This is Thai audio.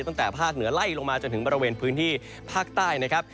ตั้งแต่ภาคเหนือไล่ลงมาจนถึงบริเวณพื้นที่ภาคใต้นะครับ